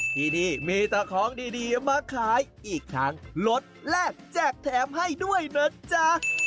ที่นี่มีแต่ของดีมาขายอีกทั้งลดแลกแจกแถมให้ด้วยนะจ๊ะ